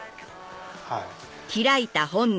はい。